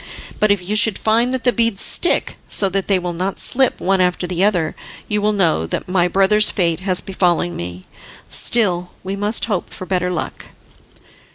But if you should find that the beads stick, so that they will not slip one after the other, you will know that my brother's fate has befallen me. Still, we must hope for better luck."